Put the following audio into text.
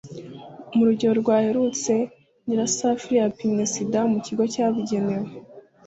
mu rugero rwaherutse, nyirasafari yapimwe sida mu kigo cyabigenewe